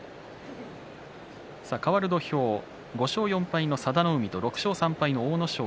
かわる土俵５勝４敗の佐田の海と６勝３敗の阿武咲。